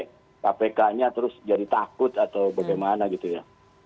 kpk nya terus jadi takut atau bagaimana gitu ya